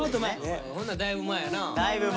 ほんならだいぶ前やな。